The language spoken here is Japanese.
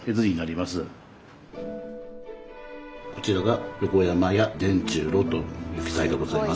こちらが「横山屋傳十郎」と記載がございます。